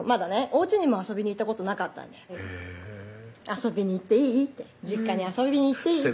おうちにも遊びに行ったことなかったんで「遊びに行っていい？」って「実家に遊びに行っていい？」